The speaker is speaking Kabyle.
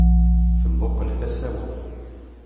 Temmuqqel d asawen.